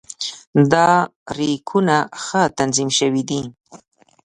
دا ریکونه ښه تنظیم شوي دي.